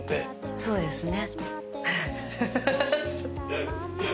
そうですね。